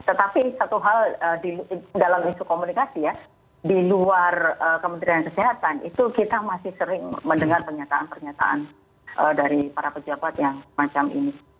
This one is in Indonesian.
tetapi satu hal dalam isu komunikasi ya di luar kementerian kesehatan itu kita masih sering mendengar pernyataan pernyataan dari para pejabat yang semacam ini